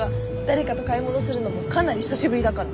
誰かと買い物するのもかなり久しぶりだから。